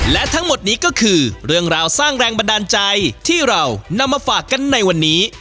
และทั้งหมดนี้ก็คือเรื่องราวสร้างแรงบันดาลใจที่เรานำมาฝากกันในวันนี้